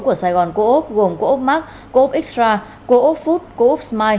của sài gòn co op gồm co op mark co op extra co op food co op smile